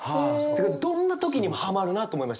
どんな時にもはまるなと思いました。